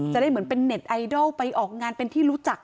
จะได้เหมือนเป็นเน็ตไอดอลไปออกงานเป็นที่รู้จัก